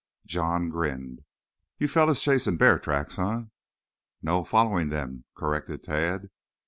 John grinned. "You fellows chasing bear tracks, eh?" "No. Following them," corrected Tad.